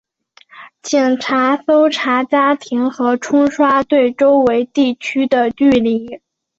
警察搜查家庭和冲刷对周围地区的距离。